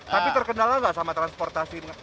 tapi terkendala nggak sama transportasi